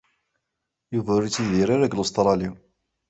Yuba ur yettidir-ara deg Lustṛali.